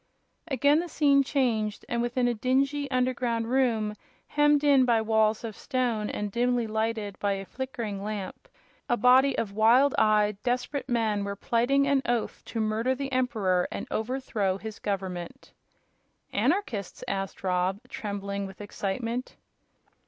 Again the scene changed, and within a dingy, underground room, hemmed in by walls of stone, and dimly lighted by a flickering lamp, a body of wild eyed, desperate men were plighting an oath to murder the Emperor and overthrow his government. "Anarchists?" asked Rob, trembling with excitement.